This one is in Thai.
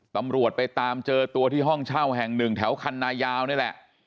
ตำรวจไปตามเจอตัวที่ห้องเช่าแห่งหนึ่งแถวคันนายาวนี่แหละ